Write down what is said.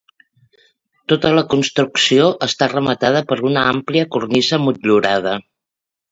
Tota la construcció està rematada per una àmplia cornisa motllurada.